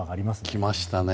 きましたね。